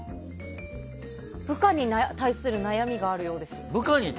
部下に対する悩みがあるそうです。